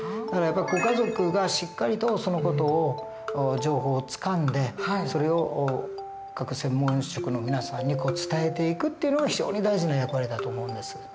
だからやっぱりご家族がしっかりとその事を情報をつかんでそれを各専門職の皆さんに伝えていくっていうのが非常に大事な役割だと思うんです。